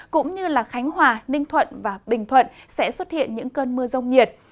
cũng như khánh hòa ninh thuận và bình thuận sẽ xuất hiện những cơn mưa rông nhiệt